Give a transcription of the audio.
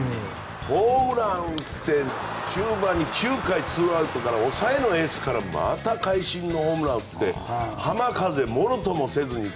ホームランを打って終盤に、９回ツーアウトから抑えのエースからまた会心のホームランを打って浜風ものともせずに。